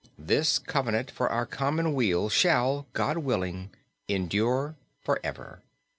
This covenant for our common weal, shall, God willing, endure forever."